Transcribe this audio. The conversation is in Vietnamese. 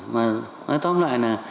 mà nói tóm lại là